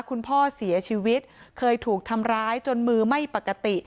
คุณพ่อเสียชีวิตเคยถูกทำร้ายจนมือไม่ปกติ